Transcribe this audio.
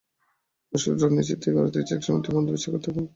পরশুর ড্র নিশ্চিত করে দিয়েছে একসময়ের দুই বন্ধু বিশ্বকাপে থাকবেন প্রতিপক্ষ হয়ে।